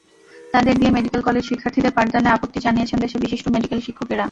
তাঁদের দিয়ে medical college শিক্ষার্থীদের পাঠদানে আপত্তি জানিয়েছেন দেশের বিশিষ্ট মেডিকেল শিক্ষকেরা।